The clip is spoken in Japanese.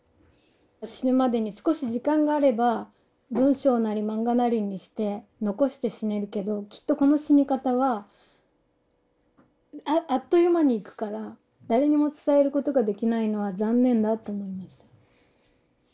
死ぬまでに少し時間があれば文章なり漫画なりにして残して死ねるけどきっとこの死に方はあっという間にいくから誰にも伝えることができないのは残念だと思いました。